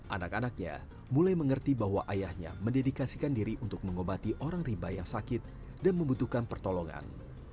anak anaknya mulai mengerti bahwa ayahnya mendedikasikan diri untuk mengobati orang rimba yang sakit dan membutuhkan pertolongan